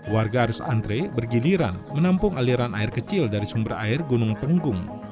warga harus antre bergiliran menampung aliran air kecil dari sumber air gunung punggung